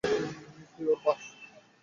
তুই ওর বাপ!